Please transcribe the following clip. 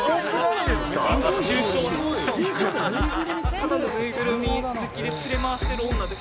ただの縫いぐるみ好きで連れ回してる女です。